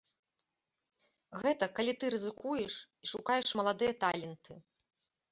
Гэта калі ты рызыкуеш і шукаеш маладыя таленты.